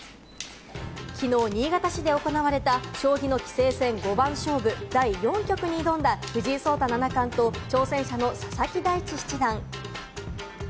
きのう新潟市で行われた将棋の棋聖戦五番勝負、第４局に挑んだ藤井聡太七冠と挑戦者の佐々木大地七段。